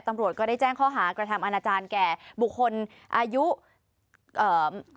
ตำรวจก็ได้แจ้งข้อหากระทำอาณาจารย์แก่บุคคลอายุเอ่อ